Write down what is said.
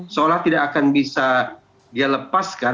seolah tidak akan bisa dilepaskan